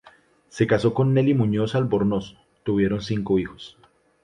Se casó con Nelly Muñoz Albornoz, tuvieron cinco hijos.